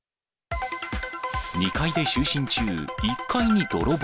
２階で就寝中、１階に泥棒。